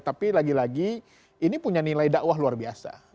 tapi lagi lagi ini punya nilai dakwah luar biasa